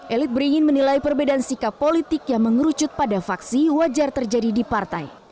elit beringin menilai perbedaan sikap politik yang mengerucut pada faksi wajar terjadi di partai